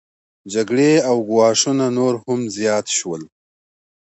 جګړې او ګواښونه نور هم زیات شول